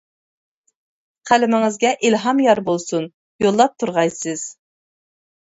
قەلىمىڭىزگە ئىلھام يار بولسۇن، يوللاپ تۇرغايسىز.